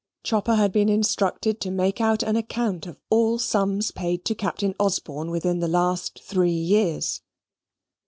Chopper had been instructed to make out an account of all sums paid to Captain Osborne within the last three years.